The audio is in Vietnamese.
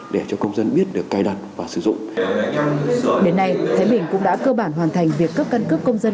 đến nay thái bình cũng đã cơ bản hoàn thành việc cấp căn cấp công dân